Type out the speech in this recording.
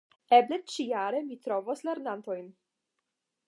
Eble ĉijare mi trovos lernantojn.